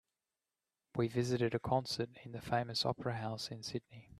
We visited a concert in the famous opera house in Sydney.